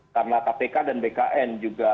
karena kpk dan bkn juga